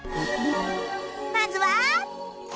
まずは